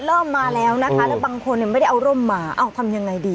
มาแล้วนะคะแล้วบางคนไม่ได้เอาร่มมาเอ้าทำยังไงดี